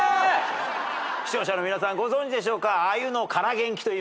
視聴者の皆さんご存じでしょうか。